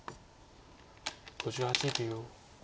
５８秒。